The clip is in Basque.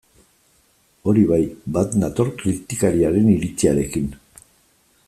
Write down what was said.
Hori bai, bat nator kritikariaren iritziarekin.